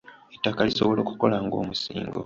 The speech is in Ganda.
Ettaka lisobola okukola nga omusingo.